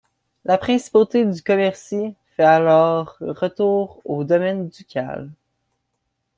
La principauté de Commercy fait alors retour au domaine ducal.